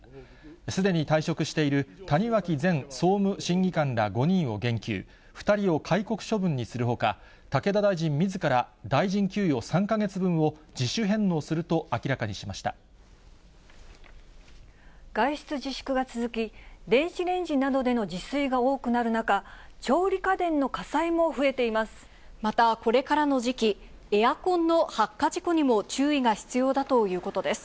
すでに退職している谷脇前総務審議官ら５人を減給、２人を戒告処分にするほか、武田大臣みずから大臣給与３か月分を自主返納すると明らかにしま外出自粛が続き、電子レンジなどでの自炊が多くなる中、調理家電の火災も増えていまた、これからの時期、エアコンの発火事故にも注意が必要だということです。